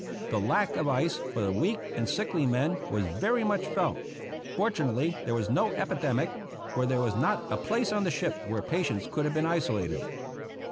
The lack of ice for the weak and sickly men was very much felt. Fortunately there was no epidemic, for there was not a place on the ship where patients could have been isolated.